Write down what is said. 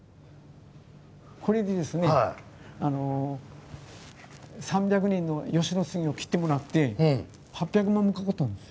これでですね３００年の吉野杉を切ってもらって８００万もかかったんです。